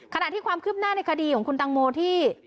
ขณะที่ความคืบหน้าในคดีของคุณตังโมที่